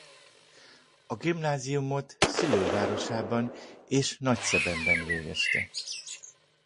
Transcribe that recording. A gimnáziumot szülővárosában és Nagyszebenben végezte.